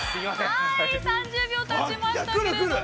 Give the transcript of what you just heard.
◆はい、３０秒たちましたけれども。